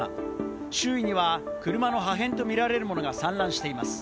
周囲には車の破片とみられるものが散乱しています。